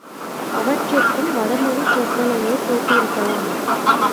அவற்றிற்கும் வடமொழிச் சொறக்ளையே போட்டிருக்கலாம்.